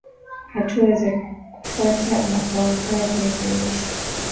Hatua za kufuata unapokaanga viazi lishe